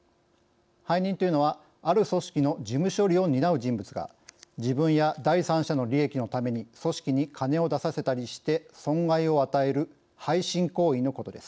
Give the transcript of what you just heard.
背任というのはある組織の事務処理を担う人物が自分や第三者の利益のために組織に金を出させたりして損害を与える背信行為のことです。